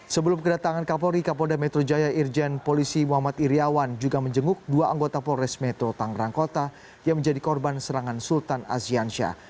sebelum kedatangan kapolri kapolda metro jaya irjen polisi muhammad iryawan juga menjenguk dua anggota polres metro tangerang kota yang menjadi korban serangan sultan aziansyah